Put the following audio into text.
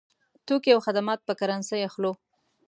توکي او خدمات په کرنسۍ اخلو.